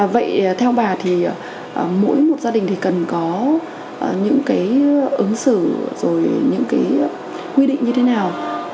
vậy theo bà thì mỗi một gia đình thì cần có những cái ứng xử rồi những cái quy định như thế nào